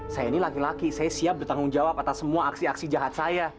saya ini laki laki saya siap bertanggung jawab atas semua aksi aksi jahat saya